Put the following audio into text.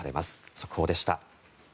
速報でした。